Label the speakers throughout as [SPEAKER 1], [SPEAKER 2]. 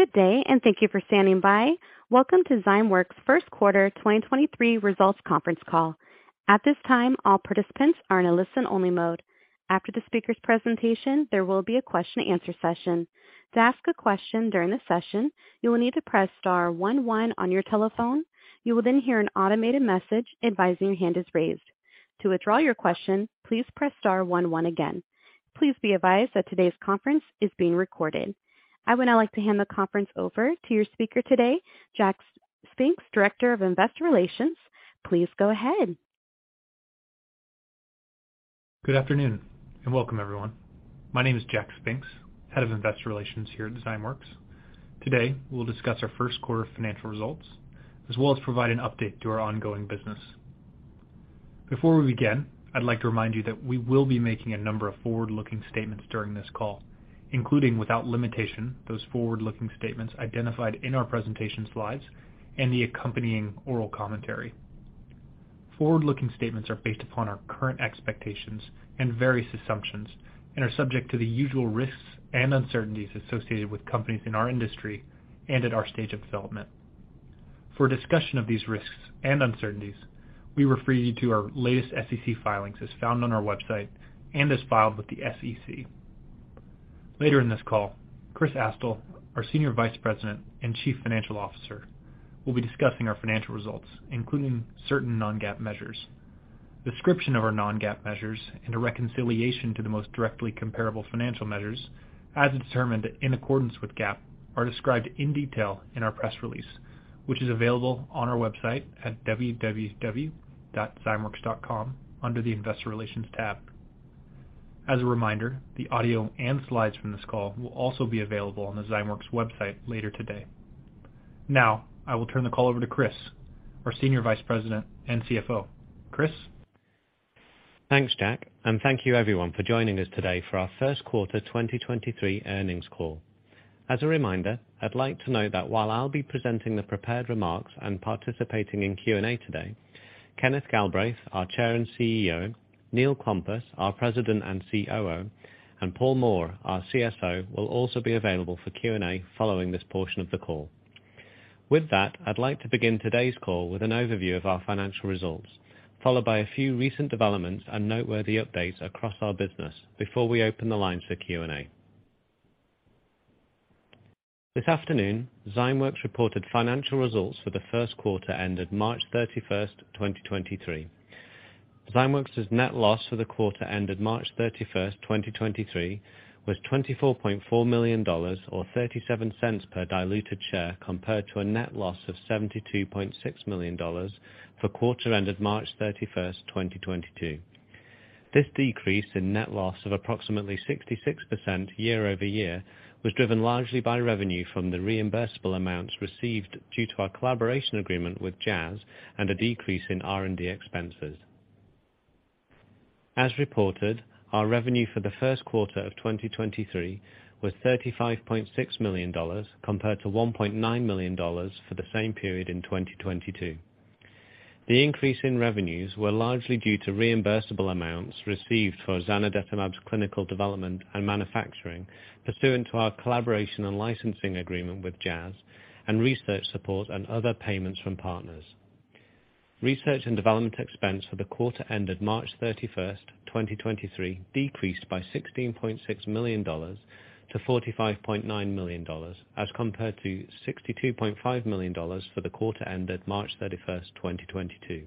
[SPEAKER 1] Good day, and thank you for standing by. Welcome to Zymeworks' first quarter 2023 results conference call. At this time, all participants are in a listen-only mode. After the speaker's presentation, there will be a question and answer session. To ask a question during the session, you will need to press star one one on your telephone. You will then hear an automated message advising your hand is raised. To withdraw your question, please press star one one again. Please be advised that today's conference is being recorded. I would now like to hand the conference over to your speaker today, Jack Spinks, Director of Investor Relations. Please go ahead.
[SPEAKER 2] Good afternoon and welcome everyone. My name is Jack Spinks, Head of Investor Relations here at Zymeworks. Today, we'll discuss our first quarter financial results, as well as provide an update to our ongoing business. Before we begin, I'd like to remind you that we will be making a number of forward-looking statements during this call, including, without limitation, those forward-looking statements identified in our presentation slides and the accompanying oral commentary. Forward-looking statements are based upon our current expectations and various assumptions and are subject to the usual risks and uncertainties associated with companies in our industry and at our stage of development. For a discussion of these risks and uncertainties, we refer you to our latest SEC filings as found on our website and as filed with the SEC. Later in this call, Chris Astle, our Senior Vice President and Chief Financial Officer, will be discussing our financial results, including certain non-GAAP measures. Description of our non-GAAP measures and a reconciliation to the most directly comparable financial measures as determined in accordance with GAAP are described in detail in our press release, which is available on our website at www.zymeworks.com under the Investor Relations tab. As a reminder, the audio and slides from this call will also be available on the Zymeworks website later today. Now, I will turn the call over to Chris, our Senior Vice President and CFO. Chris?
[SPEAKER 3] Thanks, Jack. Thank you everyone for joining us today for our first quarter 2023 earnings call. As a reminder, I'd like to note that while I'll be presenting the prepared remarks and participating in Q&A today, Kenneth Galbraith, our Chair and CEO, Neil Klompas, our President and COO, and Paul Moore, our CSO, will also be available for Q&A following this portion of the call. With that, I'd like to begin today's call with an overview of our financial results, followed by a few recent developments and noteworthy updates across our business before we open the lines for Q&A. This afternoon, Zymeworks reported financial results for the first quarter ended March 31st, 2023. Zymeworks' net loss for the quarter ended March 31st, 2023 was $24.4 million or $0.37 per diluted share compared to a net loss of $72.6 million for quarter ended March 31st, 2022. This decrease in net loss of approximately 66% year-over-year was driven largely by revenue from the reimbursable amounts received due to our collaboration agreement with Jazz and a decrease in R&D expenses. As reported, our revenue for the first quarter of 2023 was $35.6 million compared to $1.9 million for the same period in 2022. The increase in revenues were largely due to reimbursable amounts received for zanidatamab's clinical development and manufacturing pursuant to our collaboration and licensing agreement with Jazz and research support and other payments from partners. Research and development expense for the quarter ended March 31st, 2023 decreased by $16.6 million to $45.9 million as compared to $62.5 million for the quarter ended March 31st, 2022.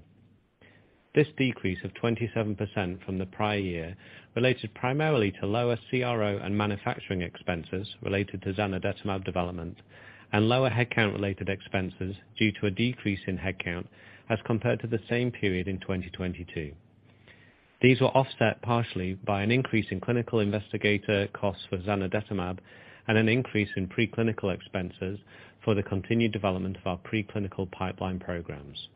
[SPEAKER 3] This decrease of 27% from the prior year related primarily to lower CRO and manufacturing expenses related to zanidatamab development and lower headcount-related expenses due to a decrease in headcount as compared to the same period in 2022. These were offset partially by an increase in clinical investigator costs for zanidatamab and an increase in preclinical expenses for the continued development of our preclinical pipeline programs.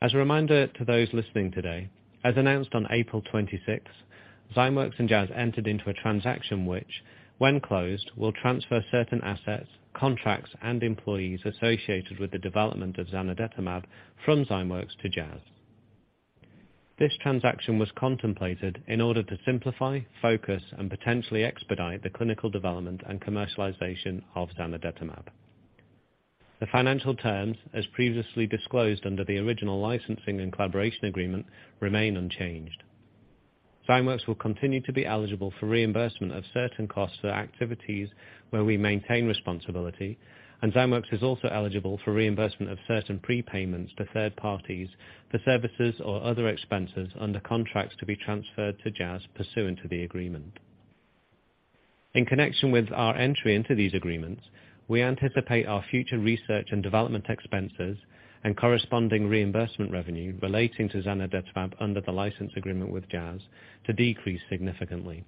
[SPEAKER 3] As a reminder to those listening today, as announced on April 26, Zymeworks and Jazz entered into a transaction which, when closed, will transfer certain assets, contracts, and employees associated with the development of zanidatamab from Zymeworks to Jazz This transaction was contemplated in order to simplify, focus, and potentially expedite the clinical development and commercialization of zanidatamab. The financial terms, as previously disclosed under the original licensing and collaboration agreement, remain unchanged. Zymeworks will continue to be eligible for reimbursement of certain costs for activities where we maintain responsibility. Zymeworks is also eligible for reimbursement of certain prepayments to third parties for services or other expenses under contracts to be transferred to Jazz pursuant to the agreement. In connection with our entry into these agreements, we anticipate our future research and development expenses and corresponding reimbursement revenue relating to zanidatamab under the license agreement with Jazz to decrease significantly.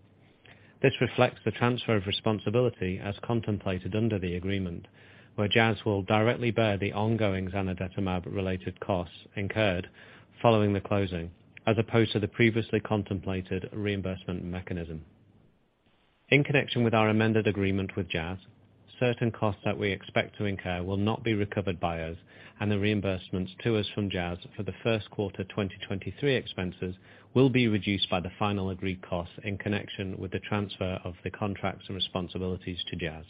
[SPEAKER 3] This reflects the transfer of responsibility as contemplated under the agreement, where Jazz will directly bear the ongoing zanidatamab-related costs incurred following the closing, as opposed to the previously contemplated reimbursement mechanism. In connection with our amended agreement with Jazz, certain costs that we expect to incur will not be recovered by us, and the reimbursements to us from Jazz for the first quarter 2023 expenses will be reduced by the final agreed costs in connection with the transfer of the contracts and responsibilities to Jazz.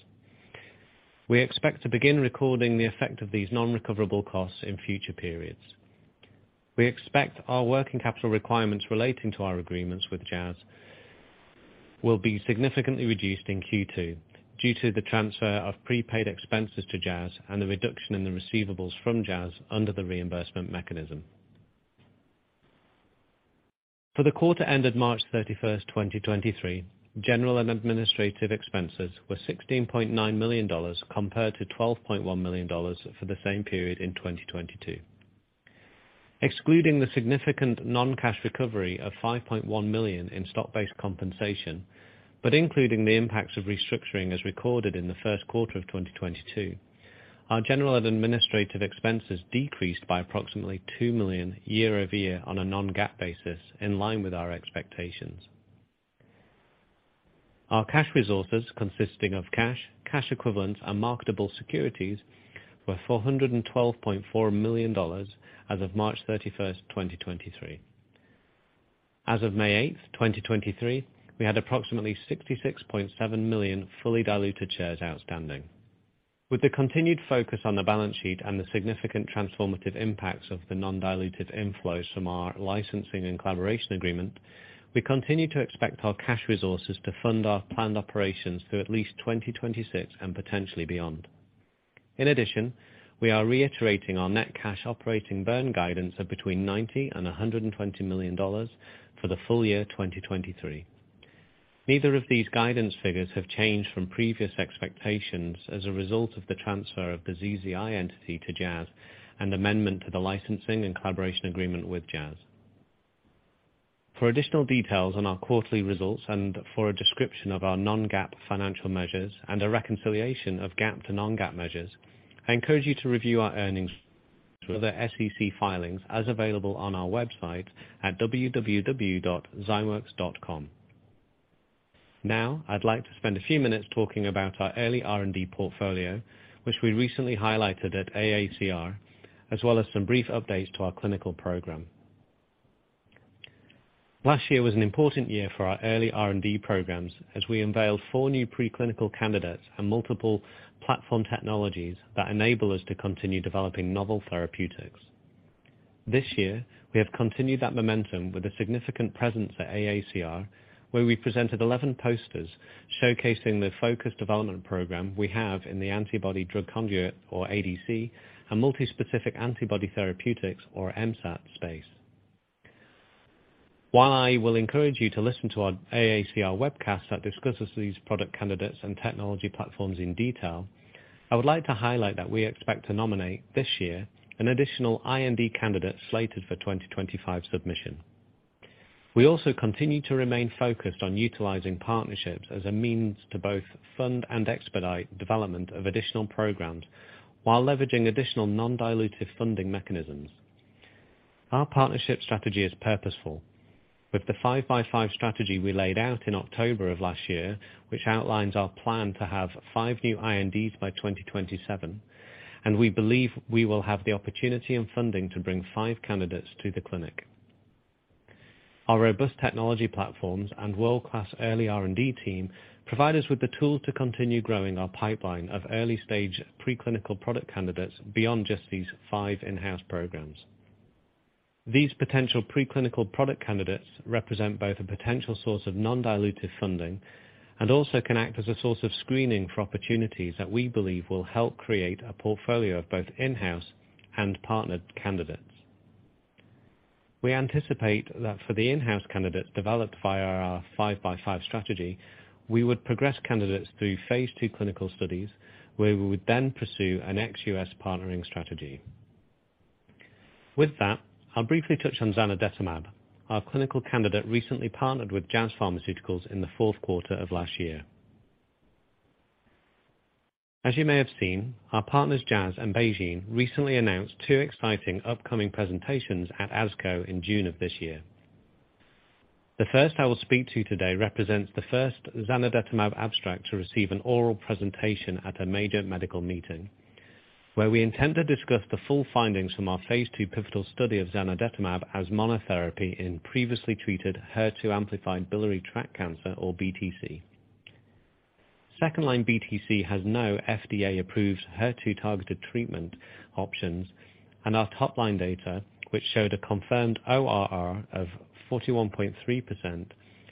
[SPEAKER 3] We expect to begin recording the effect of these non-recoverable costs in future periods. We expect our working capital requirements relating to our agreements with Jazz will be significantly reduced in Q2 due to the transfer of prepaid expenses to Jazz and the reduction in the receivables from Jazz under the reimbursement mechanism. For the quarter ended March 31st, 2023, general and administrative expenses were $16.9 million compared to $12.1 million for the same period in 2022. Excluding the significant non-cash recovery of $5.1 million in stock-based compensation, but including the impacts of restructuring as recorded in the first quarter of 2022, our general and administrative expenses decreased by approximately $2 million year-over-year on a non-GAAP basis, in line with our expectations. Our cash resources consisting of cash equivalents, and marketable securities were $412.4 million as of March 31, 2023. As of May 8, 2023, we had approximately 66.7 million fully diluted shares outstanding. With the continued focus on the balance sheet and the significant transformative impacts of the non-dilutive inflows from our licensing and collaboration agreement, we continue to expect our cash resources to fund our planned operations through at least 2026 and potentially beyond. We are reiterating our net cash operating burn guidance of between $90 million and $120 million for the full year 2023. Neither of these guidance figures have changed from previous expectations as a result of the transfer of the ZZI entity to Jazz and amendment to the licensing and collaboration agreement with Jazz. For additional details on our quarterly results and for a description of our non-GAAP financial measures and a reconciliation of GAAP to non-GAAP measures, I encourage you to review our earnings through the SEC filings as available on our website at www.zymeworks.com. I'd like to spend a few minutes talking about our early R&D portfolio, which we recently highlighted at AACR, as well as some brief updates to our clinical program. Last year was an important year for our early R&D programs as we unveiled 4 new preclinical candidates and multiple platform technologies that enable us to continue developing novel therapeutics. This year, we have continued that momentum with a significant presence at AACR, where we presented 11 posters showcasing the focused development program we have in the antibody drug conjugate or ADC and multispecific antibody therapeutics or MSAT space. While I will encourage you to listen to our AACR webcast that discusses these product candidates and technology platforms in detail, I would like to highlight that we expect to nominate this year an additional IND candidate slated for 2025 submission. We also continue to remain focused on utilizing partnerships as a means to both fund and expedite development of additional programs while leveraging additional non-dilutive funding mechanisms. Our partnership strategy is purposeful. With the 5x5 strategy we laid out in October of last year, which outlines our plan to have five new INDs by 2027, we believe we will have the opportunity and funding to bring five candidates to the clinic. Our robust technology platforms and world-class early R&D team provide us with the tools to continue growing our pipeline of early-stage preclinical product candidates beyond just these five in-house programs. These potential preclinical product candidates represent both a potential source of non-dilutive funding and also can act as a source of screening for opportunities that we believe will help create a portfolio of both in-house and partnered candidates. We anticipate that for the in-house candidates developed via our 5x5 strategy, we would progress candidates through phase II clinical studies, where we would then pursue an ex-U.S. partnering strategy. With that, I'll briefly touch on zanidatamab, our clinical candidate recently partnered with Jazz Pharmaceuticals in the fourth quarter of last year. As you may have seen, our partners, Jazz and BeiGene, recently announced two exciting upcoming presentations at ASCO in June of this year. The first I will speak to you today represents the first zanidatamab abstract to receive an oral presentation at a major medical meeting, where we intend to discuss the full findings from our phase II pivotal study of zanidatamab as monotherapy in previously treated HER2-amplified biliary tract cancer or BTC. Second line BTC has no FDA-approved HER2-targeted treatment options, and our top-line data, which showed a confirmed ORR of 41.3%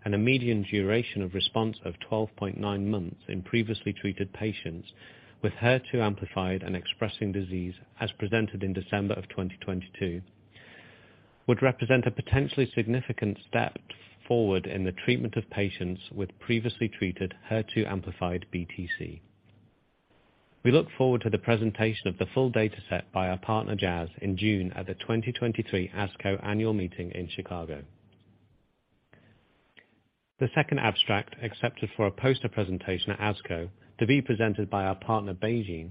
[SPEAKER 3] and a median duration of response of 12.9 months in previously treated patients with HER2-amplified and expressing disease as presented in December of 2022, would represent a potentially significant step forward in the treatment of patients with previously treated HER2-amplified BTC. We look forward to the presentation of the full dataset by our partner, Jazz, in June at the 2023 ASCO annual meeting in Chicago. The second abstract accepted for a poster presentation at ASCO to be presented by our partner BeiGene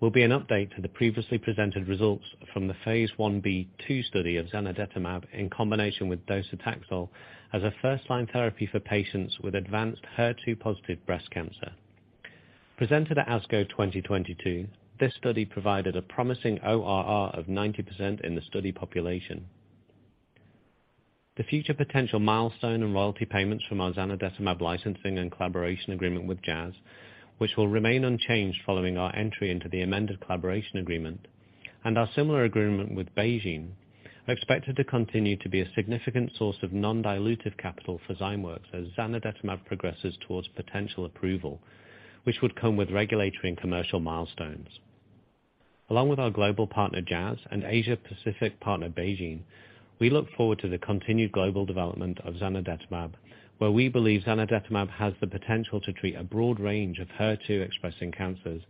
[SPEAKER 3] will be an update to the previously presented results from the phase I b phase II study of zanidatamab in combination with docetaxel as a first-line therapy for patients with advanced HER2-positive breast cancer. Presented at ASCO 2022, this study provided a promising ORR of 90% in the study population. The future potential milestone and royalty payments from our zanidatamab licensing and collaboration agreement with Jazz, which will remain unchanged following our entry into the amended collaboration agreement and our similar agreement with BeiGene, are expected to continue to be a significant source of non-dilutive capital for Zymeworks as zanidatamab progresses towards potential approval, which would come with regulatory and commercial milestones. Along with our global partner, Jazz and Asia Pacific partner BeiGene, we look forward to the continued global development of zanidatamab, where we believe zanidatamab has the potential to treat a broad range of HER2 expressing cancers,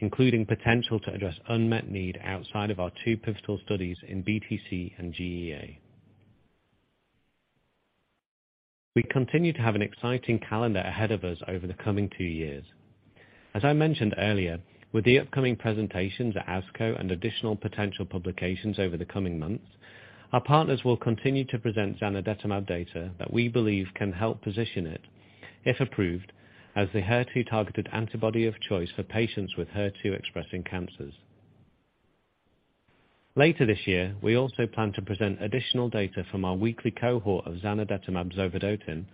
[SPEAKER 3] including potential to address unmet need outside of our two pivotal studies in BTC and GEA. We continue to have an exciting calendar ahead of us over the coming two years. As I mentioned earlier, with the upcoming presentations at ASCO and additional potential publications over the coming months, our partners will continue to present zanidatamab data that we believe can help position it, if approved, as the HER2 targeted antibody of choice for patients with HER2 expressing cancers. Later this year, we also plan to present additional data from our weekly cohort of zanidatamab zovodotin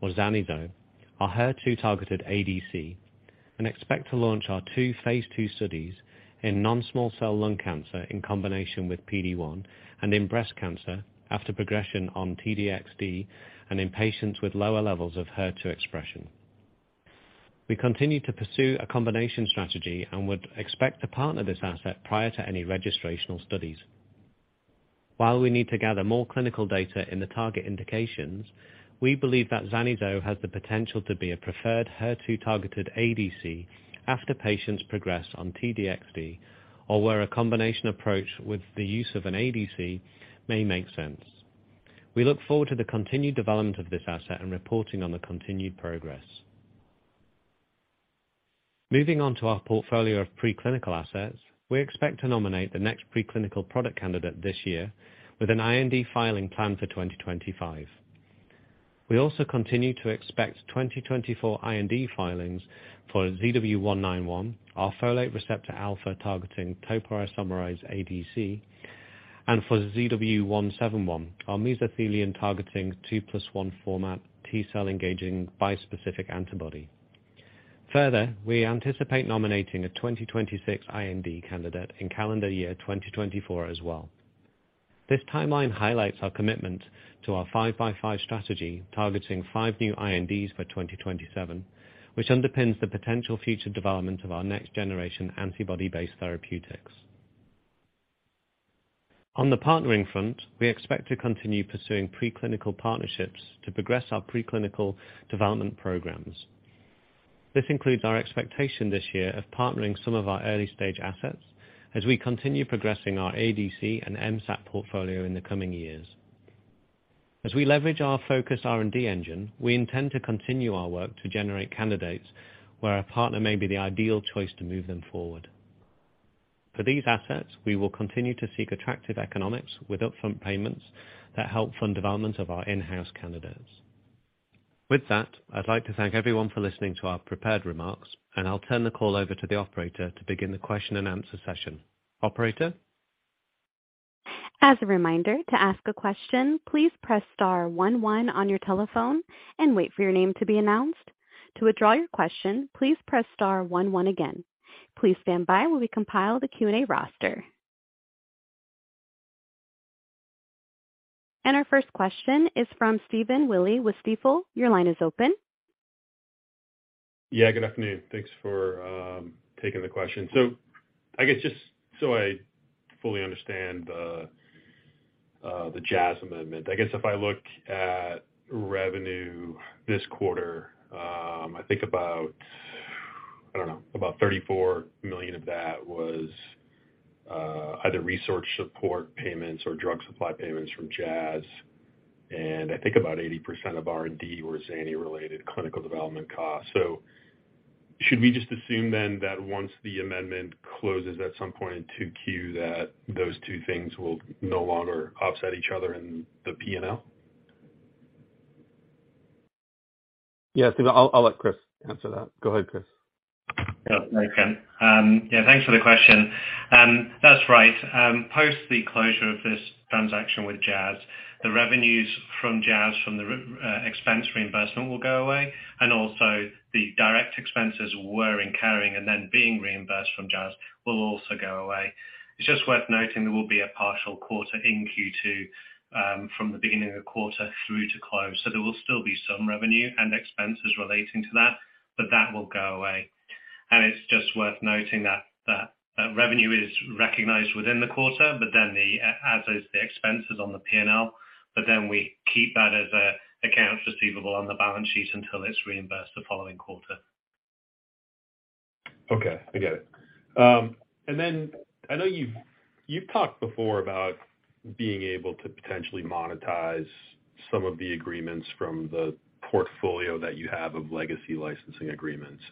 [SPEAKER 3] or zani-zo, our HER2 targeted ADC, and expect to launch our two phase II studies in non-small cell lung cancer in combination with PD-1 and in breast cancer after progression on T-DXd and in patients with lower levels of HER2 expression. We continue to pursue a combination strategy and would expect to partner this asset prior to any registrational studies. While we need to gather more clinical data in the target indications, we believe that zani-zo has the potential to be a preferred HER2 targeted ADC after patients progress on T-DXd or where a combination approach with the use of an ADC may make sense. We look forward to the continued development of this asset and reporting on the continued progress. Moving on to our portfolio of preclinical assets. We expect to nominate the next preclinical product candidate this year with an IND filing plan for 2025. We also continue to expect 2024 IND filings for ZW191, our folate receptor alpha-targeting topoisomerase I ADC, and for ZW171, our mesothelin-targeting 2+1 T-cell engaging bispecific antibody. Further, we anticipate nominating a 2026 IND candidate in calendar year 2024 as well. This timeline highlights our commitment to our 5x5 strategy, targeting five new INDs for 2027, which underpins the potential future development of our next-generation antibody-based therapeutics. On the partnering front, we expect to continue pursuing preclinical partnerships to progress our preclinical development programs. This includes our expectation this year of partnering some of our early-stage assets as we continue progressing our ADC and MSAT portfolio in the coming years. As we leverage our focus R&D engine, we intend to continue our work to generate candidates where a partner may be the ideal choice to move them forward. For these assets, we will continue to seek attractive economics with upfront payments that help fund development of our in-house candidates. With that, I'd like to thank everyone for listening to our prepared remarks, and I'll turn the call over to the operator to begin the question and answer session. Operator?
[SPEAKER 1] As a reminder, to ask a question, please press star one one on your telephone and wait for your name to be announced. To withdraw your question, please press star one one again. Please stand by while we compile the Q&A roster. Our first question is from Stephen Willey with Stifel. Your line is open.
[SPEAKER 4] Yeah, good afternoon. Thanks for taking the question. I guess just so I fully understand the Jazz amendment, I guess if I look at revenue this quarter, I think about, I don't know, about $34 million of that was either research support payments or drug supply payments from Jazz. I think about 80% of R&D were Zani-related clinical development costs. Should we just assume then that once the amendment closes at some point in 2Q, that those two things will no longer offset each other in the P&L?
[SPEAKER 5] Yeah. I'll let Chris answer that. Go ahead, Chris.
[SPEAKER 3] Yeah. No, you can. Yeah, thanks for the question. That's right. Post the closure of this transaction with Jazz, the revenues from Jazz from the expense reimbursement will go away, and also the direct expenses we're incurring and then being reimbursed from Jazz will also go away. It's just worth noting there will be a partial quarter in Q2 from the beginning of the quarter through to close. There will still be some revenue and expenses relating to that, but that will go away. It's just worth noting that revenue is recognized within the quarter, but then as is the expenses on the P&L. Then we keep that as accounts receivable on the balance sheet until it's reimbursed the following quarter.
[SPEAKER 4] Okay, I get it. I know you've talked before about being able to potentially monetize some of the agreements from the portfolio that you have of legacy licensing agreements.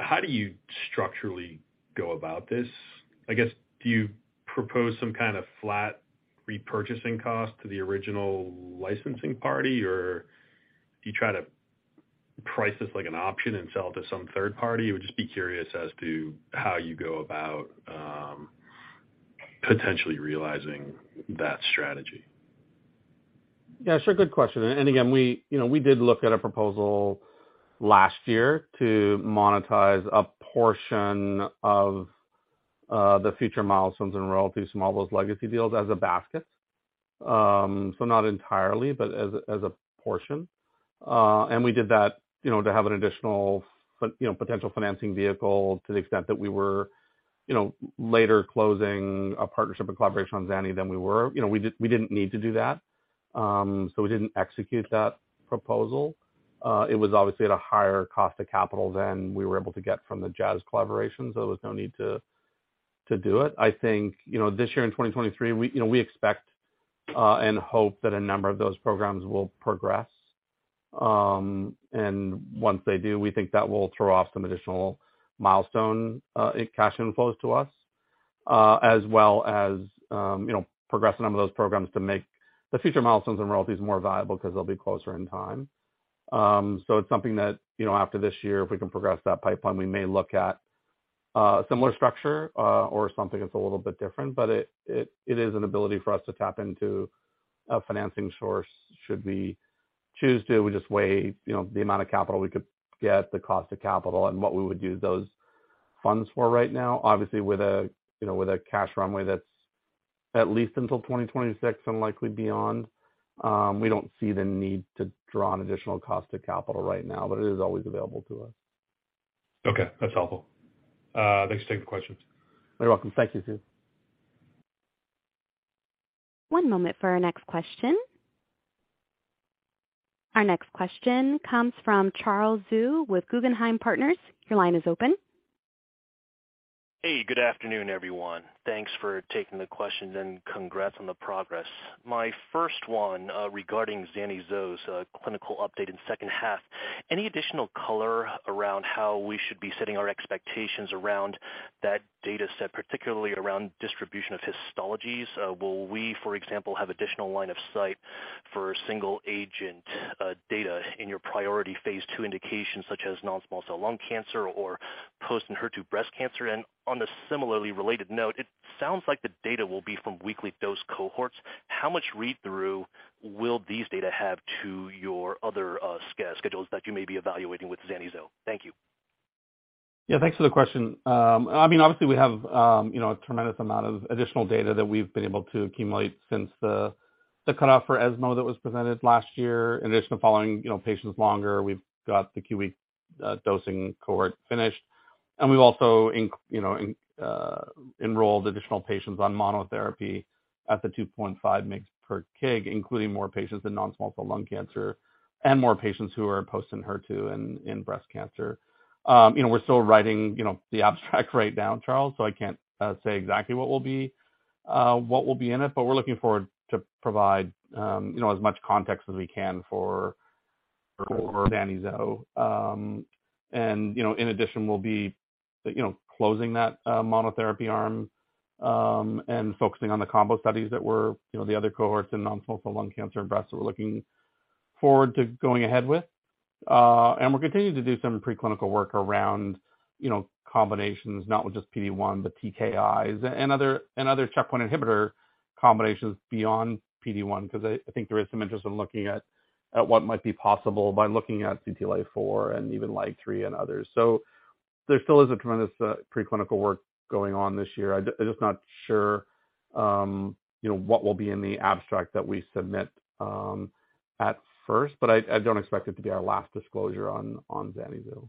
[SPEAKER 4] How do you structurally go about this? Do you propose some kind of flat repurchasing cost to the original licensing party, or do you try to price this like an option and sell it to some third party? Would just be curious as to how you go about potentially realizing that strategy.
[SPEAKER 5] Good question. Again, we, you know, we did look at a proposal last year to monetize a portion of the future milestones and royalties from all those legacy deals as a basket. Not entirely, but as a portion. We did that, you know, to have an additional you know, potential financing vehicle to the extent that we were, you know, later closing a partnership and collaboration on Zany than we were. You know, we didn't need to do that, we didn't execute that proposal. It was obviously at a higher cost of capital than we were able to get from the Jazz collaboration, there was no need to do it. I think, you know, this year in 2023, we, you know, we expect and hope that a number of those programs will progress. Once they do, we think that will throw off some additional milestone cash inflows to us, as well as, you know, progress a number of those programs to make the future milestones and royalties more valuable 'cause they'll be closer in time. It's something that, you know, after this year, if we can progress that pipeline, we may look at a similar structure or something that's a little bit different. But it is an ability for us to tap into a financing source should we choose to. We just weigh, you know, the amount of capital we could get, the cost of capital, and what we would use those funds for right now. Obviously, with a, you know, with a cash runway that's at least until 2026 and likely beyond, we don't see the need to draw on additional cost of capital right now, but it is always available to us.
[SPEAKER 4] Okay, that's helpful. Thanks. Take the questions.
[SPEAKER 5] You're welcome. Thank you, Steve.
[SPEAKER 1] One moment for our next question. Our next question comes from Charles Zhu with Guggenheim Partners. Your line is open.
[SPEAKER 6] Hey, good afternoon, everyone. Thanks for taking the questions and congrats on the progress. My first one, regarding zani-zo's clinical update in second half, any additional color around how we should be setting our expectations around that data set, particularly around distribution of histologies? Will we, for example, have additional line of sight for single agent data in your priority phase II indications such as non-small cell lung cancer or post-ENHERTU breast cancer? On a similarly related note, it sounds like the data will be from weekly dose cohorts. How much read-through will these data have to your other schedules that you may be evaluating with zani-zo? Thank you.
[SPEAKER 5] Yeah, thanks for the question. I mean, obviously we have, you know, a tremendous amount of additional data that we've been able to accumulate since the cutoff for ESMO that was presented last year. In addition to following, you know, patients longer, we've got the QW dosing cohort finished. We've also enrolled additional patients on monotherapy at the 2.5 mgs per kg, including more patients in non-small cell lung cancer and more patients who are post ENHERTU in breast cancer. You know, we're still writing, you know, the abstract right now, Charles, so I can't say exactly what will be, what will be in it, but we're looking forward to provide, you know, as much context as we can for zani-zo. You know, in addition, we'll be, you know, closing that monotherapy arm and focusing on the combo studies that we're, you know, the other cohorts in non-small cell lung cancer and breast that we're looking forward to going ahead with. We're continuing to do some preclinical work around, you know, combinations, not with just PD-1, but TKIs and other, and other checkpoint inhibitor combinations beyond PD-1, 'cause I think there is some interest in looking at what might be possible by looking at CTLA-4 and even LAG-3 and others. There still is a tremendous preclinical work going on this year. I'm not sure, you know, what will be in the abstract that we submit at first, but I don't expect it to be our last disclosure on zani-zo.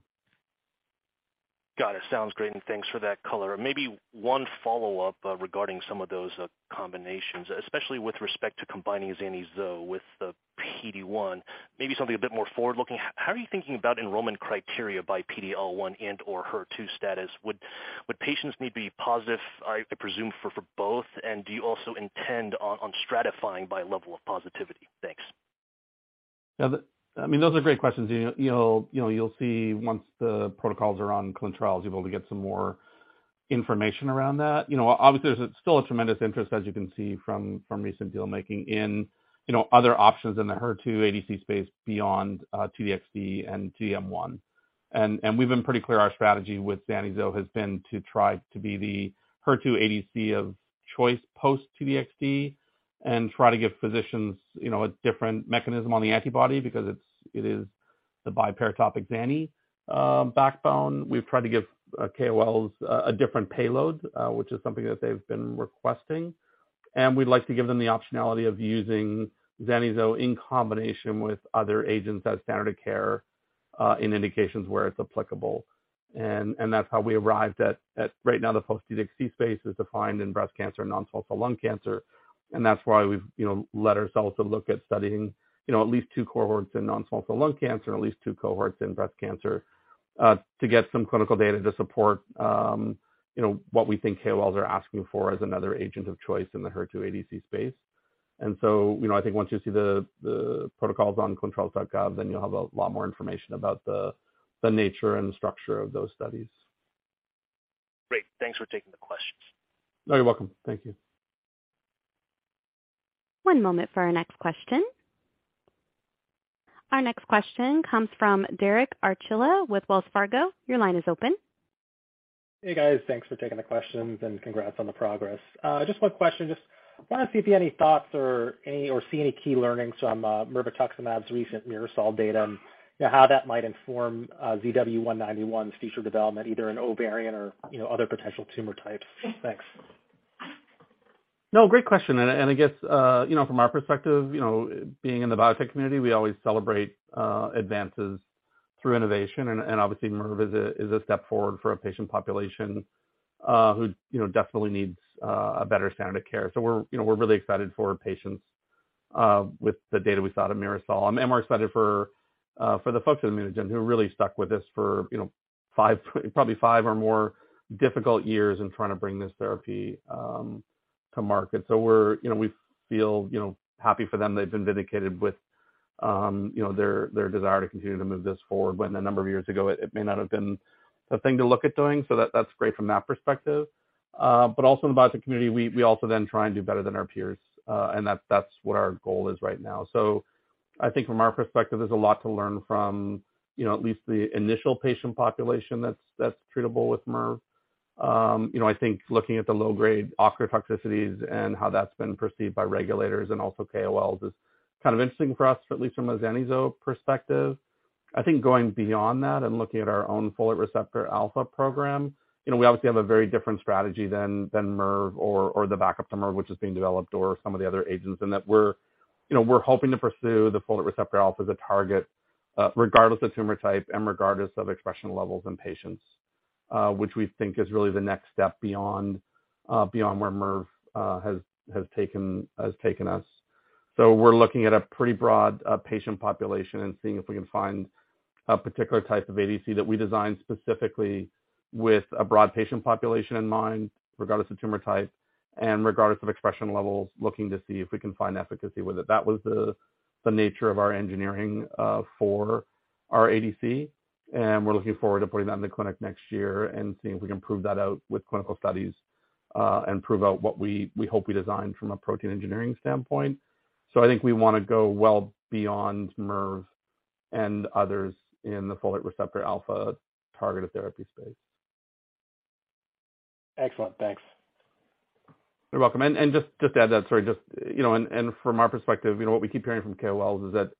[SPEAKER 6] Got it. Sounds great, and thanks for that color. Maybe one follow-up, regarding some of those, combinations, especially with respect to combining zani-zo with the PD-1. Maybe something a bit more forward-looking. How are you thinking about enrollment criteria by PDL1 and/or HER2 status? Would patients need to be positive, I presume for both? Do you also intend on stratifying by level of positivity? Thanks.
[SPEAKER 5] I mean, those are great questions. You know, you'll able to get some more information around that. You know, obviously, there's still a tremendous interest, as you can see from recent deal making in, you know, other options in the HER2 ADC space beyond T-DXd and T-DM1. We've been pretty clear our strategy with zani-zo has been to try to be the HER2 ADC of choice post T-DXd and try to give physicians, you know, a different mechanism on the antibody because it's, it is the biparatopic Zani backbone. We've tried to give KOLs a different payload, which is something that they've been requesting, and we'd like to give them the optionality of using Zani-Zo in combination with other agents as standard of care, in indications where it's applicable. That's how we arrived at right now, the post T-DXd space is defined in breast cancer and non-cell lung cancer. That's why we've, you know, let ourselves look at studying, you know, at least two cohorts in non-small cell lung cancer and at least two cohorts in breast cancer to get some clinical data to support, you know, what we think KOLs are asking for as another agent of choice in the HER2 ADC space. I think once you see the protocols on ClinicalTrials.gov, then you'll have a lot more information about the nature and the structure of those studies.
[SPEAKER 4] Great. Thanks for taking the questions.
[SPEAKER 5] You're welcome. Thank you.
[SPEAKER 1] One moment for our next question. Our next question comes from Derek Archila with Wells Fargo. Your line is open.
[SPEAKER 7] Hey, guys. Thanks for taking the questions and congrats on the progress. Just one question. Just wanna see if you have any thoughts or see any key learnings from mirvetuximab's recent MIRASOL data and how that might inform ZW-191's future development, either in ovarian or, you know, other potential tumor types. Thanks.
[SPEAKER 5] No, great question. I guess, from our perspective, being in the biotech community, we always celebrate advances through innovation and obviously mirve is a step forward for a patient population who definitely needs a better standard of care. We're really excited for patients with the data we saw at MIRASOL. We're excited for the folks at ImmunoGen who really stuck with this for five, probably five or more difficult years in trying to bring this therapy to market. We feel happy for them. They've been vindicated with their desire to continue to move this forward when a number of years ago it may not have been the thing to look at doing. That's great from that perspective. Also in the biotech community, we also then try and do better than our peers, and that's what our goal is right now. I think from our perspective, there's a lot to learn from, you know, at least the initial patient population that's treatable with mirve. You know, I think looking at the low-grade ocular toxicities and how that's been perceived by regulators and also KOLs is kind of interesting for us, at least from a zani-zo perspective. I think going beyond that and looking at our own folate receptor alpha program, you know, we obviously have a very different strategy than mirve or the backup to mirve, which is being developed or some of the other agents, in that we're, you know, we're hoping to pursue the folate receptor alpha as a target, regardless of tumor type and regardless of expression levels in patients, which we think is really the next step beyond beyond where mirve has taken us. We're looking at a pretty broad patient population and seeing if we can find a particular type of ADC that we designed specifically with a broad patient population in mind, regardless of tumor type and regardless of expression levels, looking to see if we can find efficacy with it. That was the nature of our engineering for our ADC, and we're looking forward to putting that in the clinic next year and seeing if we can prove that out with clinical studies and prove out what we hope we designed from a protein engineering standpoint. I think we wanna go well beyond mirve and others in the folate receptor alpha targeted therapy space.
[SPEAKER 7] Excellent. Thanks.
[SPEAKER 5] You're welcome. Just to add that, sorry, just, you know, and from our perspective, you know, what we keep hearing from KOLs is that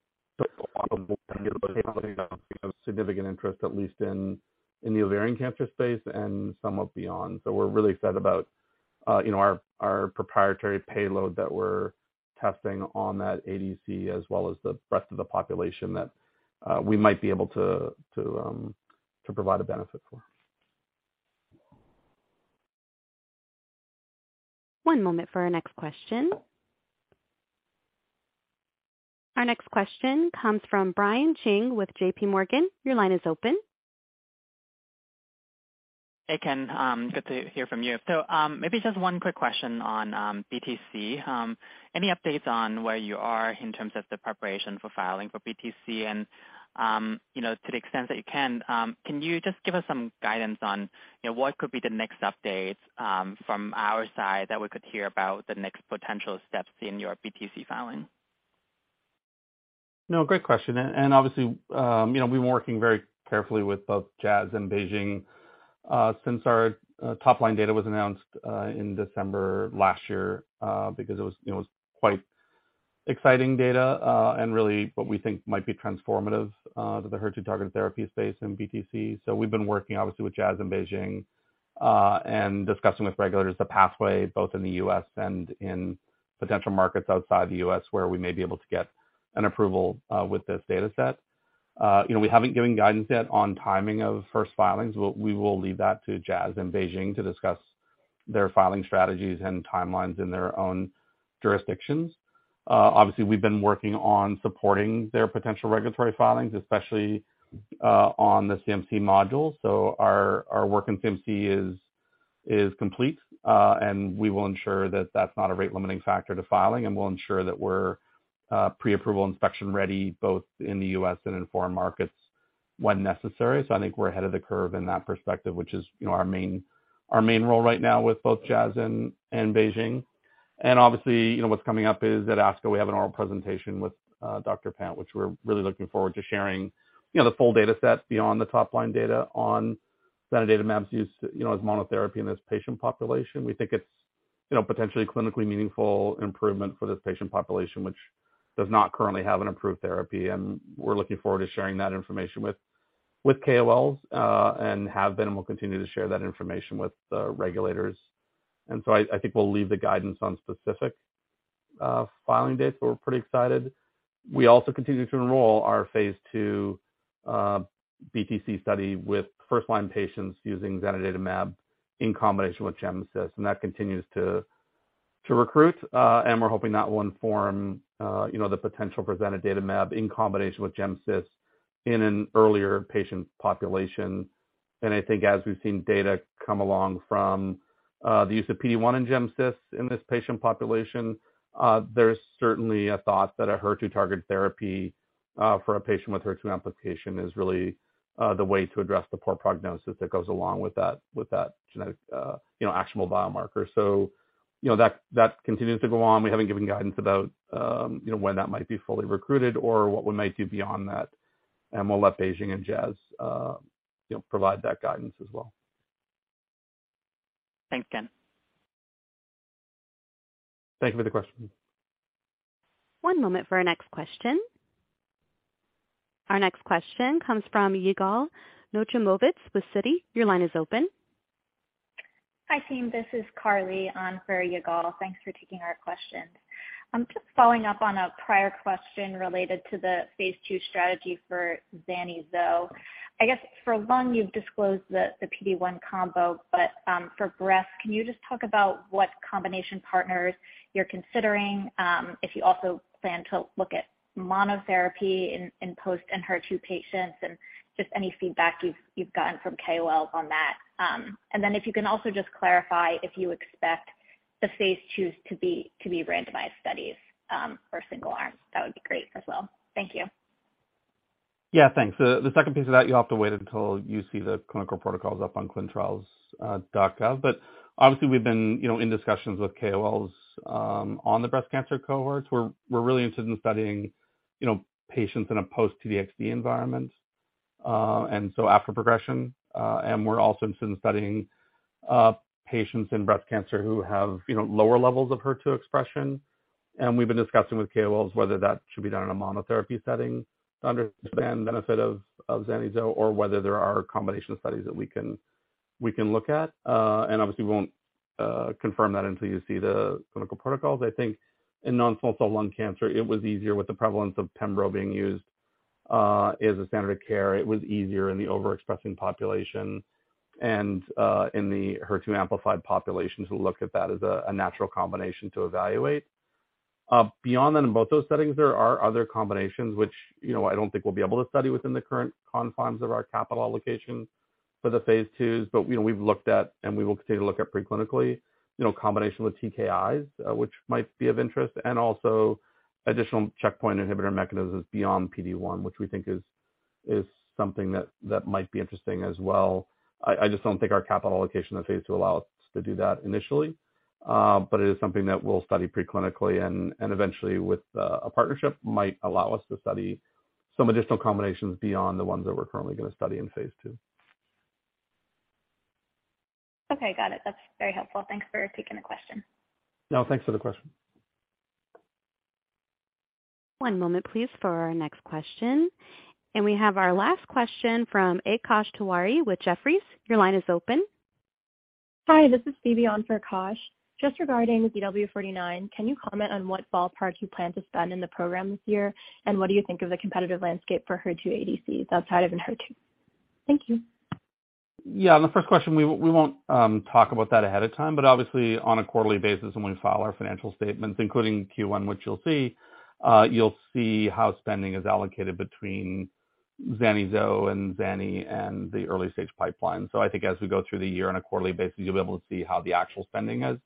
[SPEAKER 5] of significant interest, at least in the ovarian cancer space and some of beyond. We're really excited about, you know, our proprietary payload that we're testing on that ADC as well as the rest of the population that we might be able to provide a benefit for.
[SPEAKER 1] One moment for our next question. Our next question comes from Brian Cheng with JPMorgan. Your line is open.
[SPEAKER 8] Hey, Ken. good to hear from you. maybe just one quick question on BTC. Any updates on where you are in terms of the preparation for filing for BTC? you know, to the extent that you can you just give us some guidance on, you know, what could be the next update from our side that we could hear about the next potential steps in your BTC filing?
[SPEAKER 5] No, great question. Obviously, you know, we've been working very carefully with both Jazz and BeiGene since our top-line data was announced in December last year, because it was, you know, it was quite exciting data, and really what we think might be transformative to the HER2 targeted therapy space in BTC. We've been working obviously with Jazz and BeiGene and discussing with regulators the pathway both in the U.S. and in potential markets outside the U.S. where we may be able to get an approval with this data set. You know, we haven't given guidance yet on timing of first filings. We will leave that to Jazz and BeiGene to discuss their filing strategies and timelines in their own jurisdictions. Obviously we've been working on supporting their potential regulatory filings, especially on the CMC module. Our work in CMC is complete, and we will ensure that that's not a rate limiting factor to filing, and we'll ensure that we're pre-approval inspection ready both in the U.S. and in foreign markets when necessary. I think we're ahead of the curve in that perspective, which is, you know, our main role right now with both Jazz and BeiGene. Obviously, you know, what's coming up is at ASCO we have an oral presentation with Dr. Pant, which we're really looking forward to sharing, you know, the full data set beyond the top-line data on zanidatamab's use, you know, as monotherapy in this patient population. We think it's, you know, potentially clinically meaningful improvement for this patient population which does not currently have an approved therapy. We're looking forward to sharing that information with KOLs and have been and will continue to share that information with the regulators. I think we'll leave the guidance on specific filing dates, but we're pretty excited. We also continue to enroll our phase II BTC study with first-line patients using zanidatamab in combination with gem/cis, and that continues to recruit. We're hoping that will inform, you know, the potential for zanidatamab in combination with gem/cis in an earlier patient population. I think as we've seen data come along from the use of PD-1 in gemcitabine in this patient population, there's certainly a thought that a HER2 target therapy for a patient with HER2 amplification is really the way to address the poor prognosis that goes along with that, with that genetic, you know, actionable biomarker. You know, that continues to go on. We haven't given guidance about, you know, when that might be fully recruited or what we might do beyond that. We'll let BeiGene and Jazz, you know, provide that guidance as well.
[SPEAKER 4] Thanks, Ken.
[SPEAKER 5] Thank you for the question.
[SPEAKER 1] One moment for our next question. Our next question comes from Yigal Nochomovitz with Citi. Your line is open.
[SPEAKER 9] Hi, team. This is Carly on for Yigal. Thanks for taking our questions. I'm just following up on a prior question related to the phase II strategy for zani-zo. I guess for lung, you've disclosed the PD-1 combo, but for breast, can you just talk about what combination partners you're considering, if you also plan to look at monotherapy in post in HER2 patients and just any feedback you've gotten from KOL on that. And then if you can also just clarify if you expect the phase IIs to be randomized studies, or single arms, that would be great as well. Thank you.
[SPEAKER 5] Thanks. The second piece of that, you'll have to wait until you see the clinical protocols up on ClinicalTrials.gov. Obviously we've been, you know, in discussions with KOLs on the breast cancer cohorts. We're really interested in studying, you know, patients in a post-T-DXd environment after progression. We're also interested in studying patients in breast cancer who have, you know, lower levels of HER2 expression. We've been discussing with KOLs whether that should be done in a monotherapy setting to understand benefit of zani-zo or whether there are combination studies that we can look at. Obviously, we won't confirm that until you see the clinical protocols. In non-small cell lung cancer, it was easier with the prevalence of pembro being used as a standard of care. It was easier in the overexpressing population and, in the HER2 amplified populations who look at that as a natural combination to evaluate. Beyond that, in both those settings, there are other combinations which, you know, I don't think we'll be able to study within the current confines of our capital allocation for the phase IIs. You know, we've looked at and we will continue to look at preclinically, you know, combination with TKIs, which might be of interest, and also additional checkpoint inhibitor mechanisms beyond PD-1, which we think is something that might be interesting as well. I just don't think our capital allocation in phase II allows us to do that initially. It is something that we'll study preclinically and eventually with a partnership might allow us to study some additional combinations beyond the ones that we're currently gonna study in phase II.
[SPEAKER 9] Okay, got it. That's very helpful. Thanks for taking the question.
[SPEAKER 5] No, thanks for the question.
[SPEAKER 1] One moment, please, for our next question. We have our last question from Akash Tewari with Jefferies. Your line is open.
[SPEAKER 10] Hi, this is Phoebe on for Akash. Just regarding ZW49, can you comment on what ballpark you plan to spend in the program this year? What do you think of the competitive landscape for HER2 ADCs outside of ENHERTU? Thank you.
[SPEAKER 5] On the first question, we won't talk about that ahead of time, but obviously on a quarterly basis when we file our financial statements, including Q-one, which you'll see, you'll see how spending is allocated between zani-zo and zani and the early-stage pipeline. I think as we go through the year on a quarterly basis, you'll be able to see how the actual spending is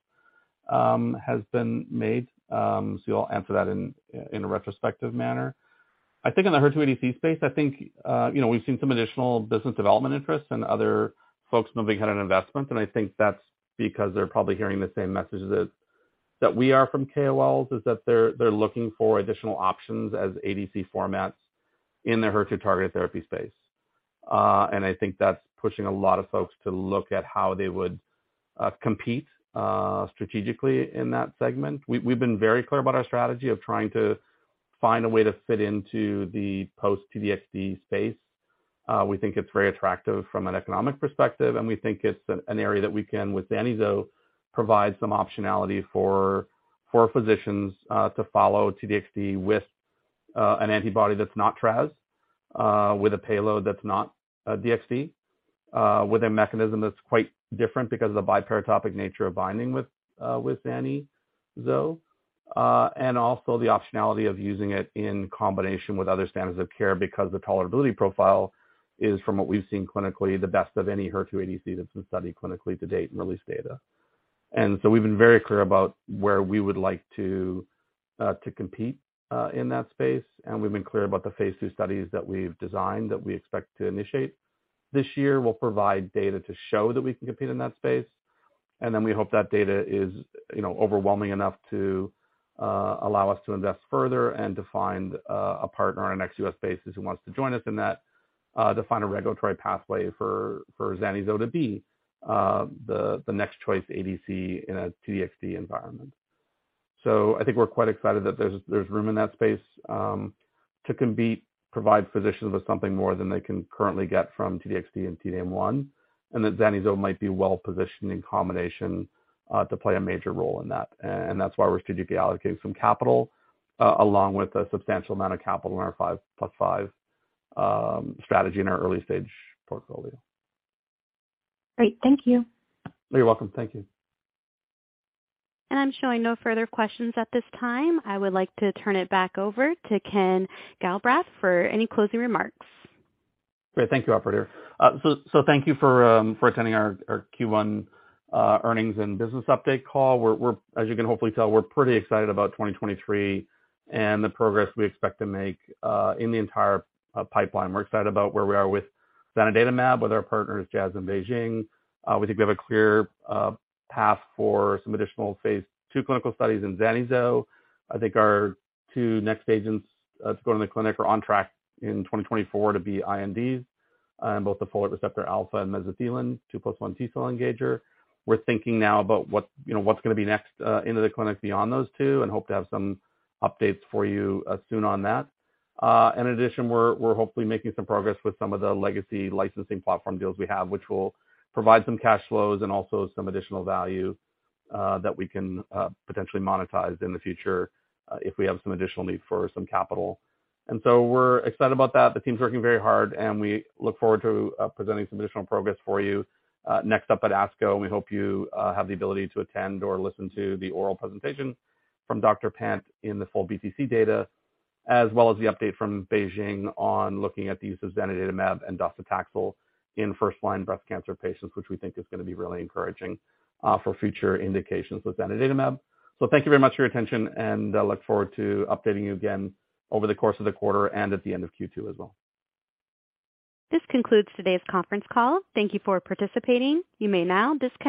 [SPEAKER 5] has been made. You'll answer that in a retrospective manner. I think on the HER2 ADC space, I think, you know, we've seen some additional business development interests and other folks moving ahead on investments, and I think that's because they're probably hearing the same messages that we are from KOLs, is that they're looking for additional options as ADC formats in their HER2-targeted therapy space. I think that's pushing a lot of folks to look at how they would compete strategically in that segment. We've been very clear about our strategy of trying to find a way to fit into the post-T-DXd space. We think it's very attractive from an economic perspective, and we think it's an area that we can, with zani-zo, provide some optionality for physicians to follow T-DXd with an antibody that's not Traz, with a payload that's not DXd, with a mechanism that's quite different because of the biparatopic nature of binding with zani-zo. Also the optionality of using it in combination with other standards of care because the tolerability profile is, from what we've seen clinically, the best of any HER2 ADC that's been studied clinically to date and released data. We've been very clear about where we would like to compete in that space, and we've been clear about the phase II studies that we've designed that we expect to initiate this year. We'll provide data to show that we can compete in that space, we hope that data is, you know, overwhelming enough to allow us to invest further and to find a partner on an ex-U.S. basis who wants to join us in that to find a regulatory pathway for zani-zo to be the next choice ADC in a T-DXd environment. I think we're quite excited that there's room in that space to compete, provide physicians with something more than they can currently get from T-DXd and T-DM1, and that zani-zo might be well-positioned in combination to play a major role in that. That's why we're strategically allocating some capital along with a substantial amount of capital in our 5x5 strategy in our early stage portfolio.
[SPEAKER 10] Great. Thank you.
[SPEAKER 5] You're welcome. Thank you.
[SPEAKER 1] I'm showing no further questions at this time. I would like to turn it back over to Kenneth Galbraith for any closing remarks.
[SPEAKER 5] Great. Thank you, operator. Thank you for attending our Q1 earnings and business update call. As you can hopefully tell, we're pretty excited about 2023 and the progress we expect to make in the entire pipeline. We're excited about where we are with zanidatamab with our partners Jazz and BeiGene. We think we have a clear path for some additional phase II clinical studies in zani-zo. I think our two next agents to go to the clinic are on track in 2024 to be INDs, both the folate receptor alpha and mesothelin 2+1 T-cell engager. We're thinking now about what, you know, what's gonna be next into the clinic beyond those two and hope to have some updates for you soon on that. In addition, we're hopefully making some progress with some of the legacy licensing platform deals we have, which will provide some cash flows and also some additional value that we can potentially monetize in the future if we have some additional need for some capital. We're excited about that. The team's working very hard, and we look forward to presenting some additional progress for you next up at ASCO, and we hope you have the ability to attend or listen to the oral presentation from Dr. Pant in the full BTC data, as well as the update from BeiGene on looking at the use of zanidatamab and docetaxel in first-line breast cancer patients, which we think is going to be really encouraging for future indications with zanidatamab. Thank you very much for your attention, and I look forward to updating you again over the course of the quarter and at the end of Q2 as well.
[SPEAKER 1] This concludes today's conference call. Thank you for participating. You may now disconnect.